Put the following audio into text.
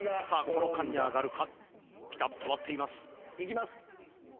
この間に上がるか転んだピタッと止まっていますいきます